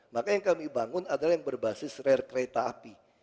maka yang kami bangun adalah yang berbasis rare kereta api